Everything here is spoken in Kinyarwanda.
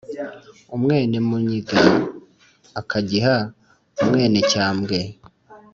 umwénemúnyiga akagiha umwénecyambwe